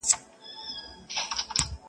تر اسمان لاندي تر مځکي شهنشاه یم-